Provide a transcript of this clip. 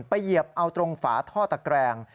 เหยียบเอาตรงฝาท่อตะแกรง